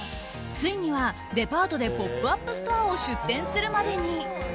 ついにはデパートでポップアップストアを出店するまでに。